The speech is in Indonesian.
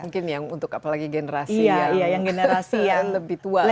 mungkin yang untuk apalagi generasi yang lebih tua lah